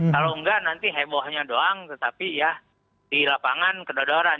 kalau tidak nanti hebohnya doang tetapi ya di lapangan kedua dua orang